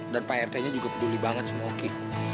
dan pak rt nya juga peduli banget sama oki